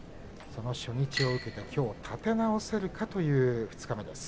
その初日を受けてきょう立て直せるかという二日目です。